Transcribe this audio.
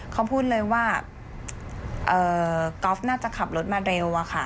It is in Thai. เขาพูดเลยว่าก๊อฟน่าจะขับรถมาเร็วอะค่ะ